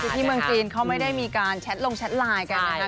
คือที่เมืองจีนเขาไม่ได้มีการแชทลงแชทไลน์กันนะคะ